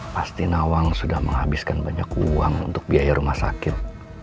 pasti nawang sudah menghabiskan banyak uang untuk biaya rumah sakit